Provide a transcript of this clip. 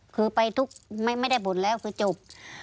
คือไปทุกไม่ได้บ่นแล้วคือจบ